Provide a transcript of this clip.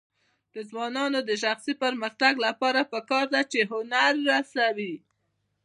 د ځوانانو د شخصي پرمختګ لپاره پکار ده چې هنر رسوي.